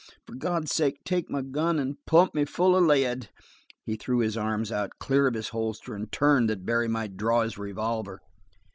For God's sake take my gun and pump me full of lead!" He threw his arms out, clear of his holster and turned that Barry might draw his revolver.